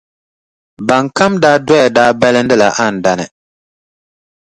Ban kam daa doya daa balindila Andani.